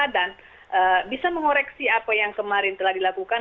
dan bisa mengoreksi apa yang kemarin telah dilakukan